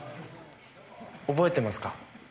覚えてますか？